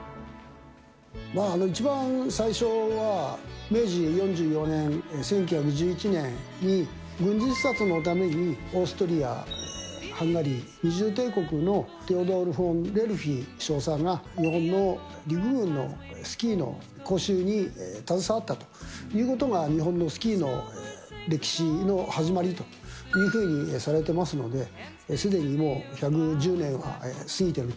一番最初は、明治４４年・１９１１年に、軍事視察のためにオーストリア・ハンガリー二重帝国のテオドール・フォン・レルヒ少佐が、日本の陸軍のスキーの講習に携わったということが、日本のスキーの歴史の始まりというふうにされてますので、すでにもう１１０年は過ぎていると。